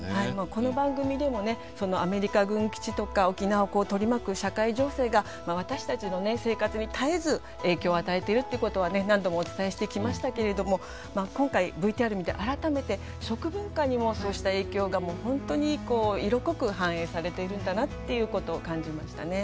この番組でもねそのアメリカ軍基地とか沖縄を取り巻く社会情勢が私たちの生活に絶えず影響を与えてるっていうことは何度もお伝えしてきましたけれども今回ＶＴＲ見て改めて食文化にもそうした影響がもう本当に色濃く反映されているんだなっていうことを感じましたね。